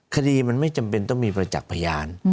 คดีมันไม่จำเป็นต้องมีประจักษ์พยาน